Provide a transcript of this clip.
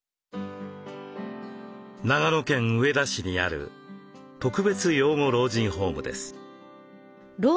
長野県上田市にある特別養護老人ホームです。